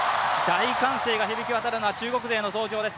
大歓声が響き渡るのは中国勢の登場です。